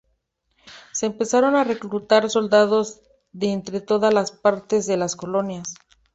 Se empezaron a reclutar soldados de entre todas las partes de las colonias.